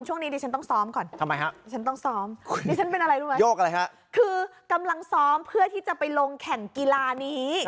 ช่วงนี้ดิฉันต้องซ้อมก่อนทำไมฮะฉันต้องซ้อมดิฉันเป็นอะไรรู้ไหมโยกอะไรฮะคือกำลังซ้อมเพื่อที่จะไปลงแข่งกีฬานี้